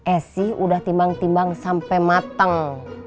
esi udah timbang timbang sampai matang